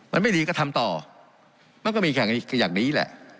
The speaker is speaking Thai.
มันไม่ดีก็ทำต่อมันก็มีแข่งอย่างนี้แหละ